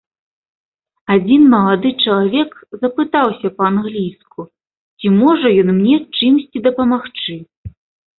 Адзін малады чалавек запытаўся па-англійску, ці можа ён мне чымсьці дапамагчы.